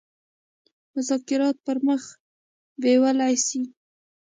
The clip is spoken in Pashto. مذاکرات پر مخ بېولای سي.